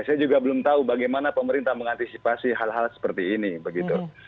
saya juga belum tahu bagaimana pemerintah mengantisipasi hal hal seperti ini begitu